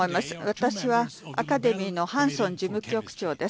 私はアカデミーのハンソン事務局長です。